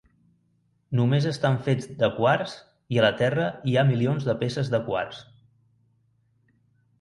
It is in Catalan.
Només estan fets de quars i a la terra hi ha milions de peces de quars.